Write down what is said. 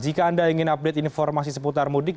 jika anda ingin update informasi seputar mudik